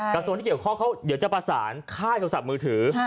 กระทรวงที่เกี่ยวข้องเขาเดี๋ยวจะประสานค่ายโทรศัพท์มือถือ